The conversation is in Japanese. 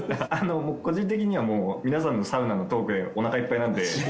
僕個人的にはもう皆さんのサウナのトークでおなかいっぱいなんで。